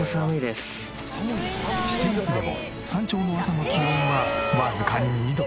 ７月でも山頂の朝の気温はわずか２度。